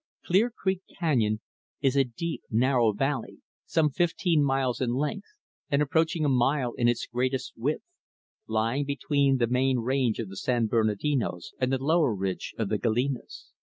Clear Creek Canyon is a deep, narrow valley, some fifteen miles in length, and approaching a mile in its greatest width; lying between the main range of the San Bernardinos and the lower ridge of the Galenas.